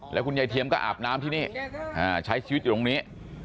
แล้วคุณยายเทียมก็อาบน้ำที่นี่ใช้ชีวิตอยู่ตรงนี้